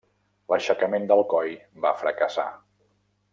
L'aixecament d'Alcoi va fracassar.